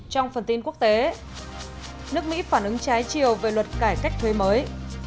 trong phần tin quốc tế nước mỹ phản ứng trái chiều về luật cải cách thuế mới